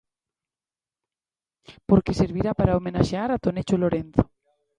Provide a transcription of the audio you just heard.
Porque servirá pra homenaxear a Tonecho Lorenzo.